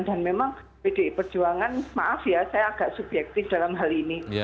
dan memang pdi perjuangan maaf ya saya agak subjektif dalam hal ini